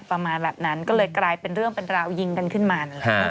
ประมาณแบบนั้นก็เลยกลายเป็นเรื่องเป็นราวยิงกันขึ้นมา